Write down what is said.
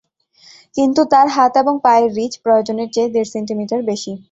কিন্তু, তার হাত এবং পায়ের রীচ প্রয়োজনের চেয়ে দেড় সেন্টিমিটার বেশি।